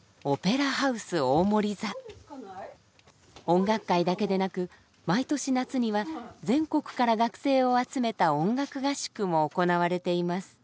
音楽会だけでなく毎年夏には全国から学生を集めた音楽合宿も行われています。